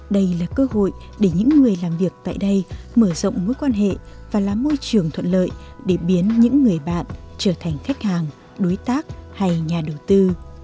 đây là cơ hội để những người làm việc tại đây mở rộng mối quan hệ và làm môi trường thuận lợi để biến những người bạn trở thành khách hàng đối tác hay nhà đầu tư